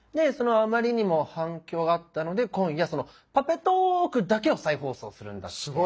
そのあまりにも反響があったので今夜「パペトーーク！」だけを再放送するんだって。